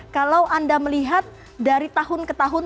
kalau anda melihat dari tahun ke tahun